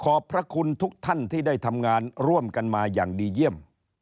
พระคุณทุกท่านที่ได้ทำงานร่วมกันมาอย่างดีเยี่ยม